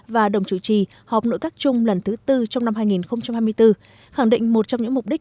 và đồng chủ trì họp nội các chung lần thứ tư trong năm hai nghìn hai mươi bốn khẳng định một trong những mục đích